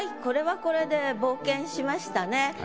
これはこれで冒険しましたね。